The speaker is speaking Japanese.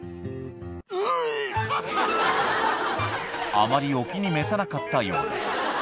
あまりお気に召さなかったようだ